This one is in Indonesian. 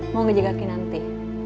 mau ngejaga kinanti